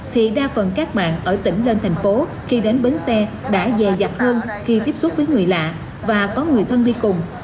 thì đa phần các bạn ở tỉnh lên thành phố khi đến bến xe đã dày dặc hơn khi tiếp xúc với người lạ và có người thân đi cùng